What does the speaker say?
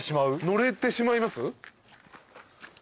乗れてしまいます？